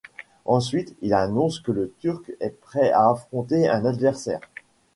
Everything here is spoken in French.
Ensuite, il annonce que le Turc est prêt à affronter un adversaire.